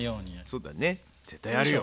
そうだね絶対やるよ。